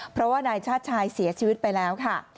เพราะว่านายชาติชายเสียชีวิตไปแล้วค่ะ